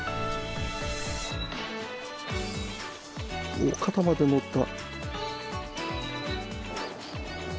おっ肩までのった。